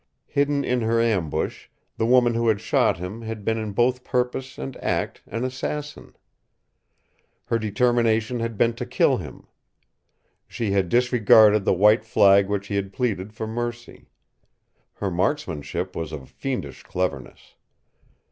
Hidden in her ambush, the woman who had shot him had been in both purpose and act an assassin. Her determination had been to kill him. She had disregarded the white flag with which he had pleaded for mercy. Her marksmanship was of fiendish cleverness.